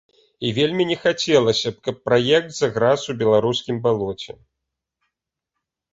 І вельмі не хацелася б, каб праект заграз у беларускім балоце.